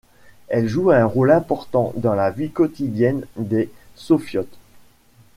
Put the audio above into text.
Elle joue un rôle important dans la vie quotidienne des Sofiotes.